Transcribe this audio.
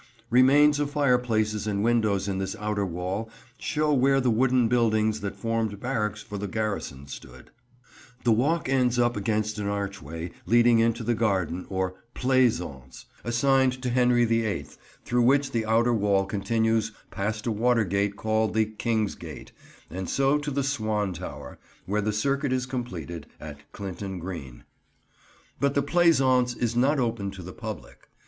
Remains of fireplaces and windows in this outer wall show where the wooden buildings that formed barracks for the garrison stood. The walk ends up against an archway leading into the garden, or Plaisance, assigned to Henry the Eighth, through which the outer wall continues past a water gate called the "King's Gate," and so to the Swan Tower, where the circuit is completed, at Clinton Green. [Picture: Kenilworth Castle: Ruins of the Banqueting Hall] But the Plaisance is not open to the public.